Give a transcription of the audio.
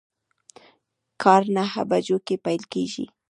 کار نهه بجو کی پیل کیږي